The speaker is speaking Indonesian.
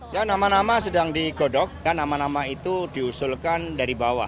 ya nama nama sedang digodok kan nama nama itu diusulkan dari bawah